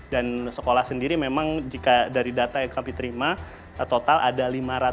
dan sekolah sendiri memang jika dari data yang kami terima total ada lima ratus